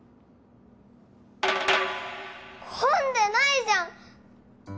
混んでないじゃん！